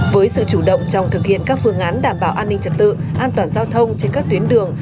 với sự chủ động trong thực hiện các phương án đảm bảo an ninh trật tự an toàn giao thông trên các tuyến đường